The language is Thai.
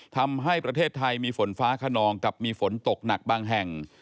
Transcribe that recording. ทำให้ประเทศไทยมีฝนฟ้าขนองกับมีฝนตกหนักบางแห่ง